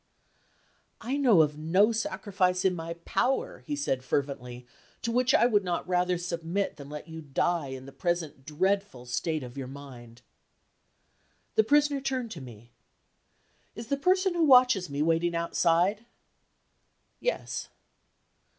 "I know of no sacrifice in my power," he said, fervently, "to which I would not rather submit than let you die in the present dreadful state of your mind." The Prisoner turned to me. "Is the person who watches me waiting outside?" "Yes."